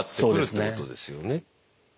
そうですね。